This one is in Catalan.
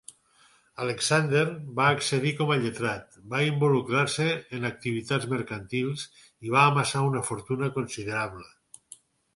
Alexander va exercir com a lletrat, va involucrar-se en activitats mercantils i va amassar una fortuna considerable.